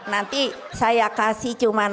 nanti saya kasih cuma